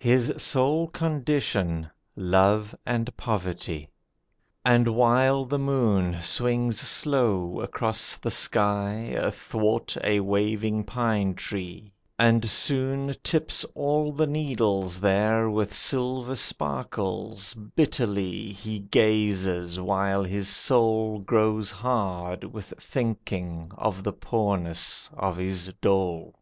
His sole condition Love and poverty. And while the moon Swings slow across the sky, Athwart a waving pine tree, And soon Tips all the needles there With silver sparkles, bitterly He gazes, while his soul Grows hard with thinking of the poorness of his dole.